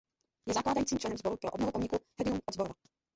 Je zakládajícím členem Sboru pro obnovu pomníku Hrdinům od Zborova.